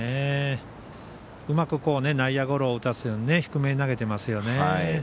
うまく内野ゴロを打たせるように低めに投げていますよね。